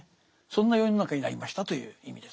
そんな世の中になりましたという意味ですね。